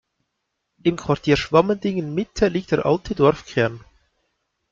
Im Quartier Schwamendingen-Mitte liegt der alte Dorfkern.